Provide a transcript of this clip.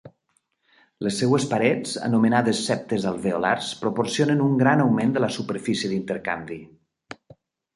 Les seves parets, anomenades septes alveolars, proporcionen un gran augment de la superfície d'intercanvi.